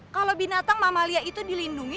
kalau binatang mamalia itu dilindungi